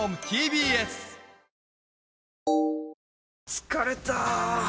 疲れた！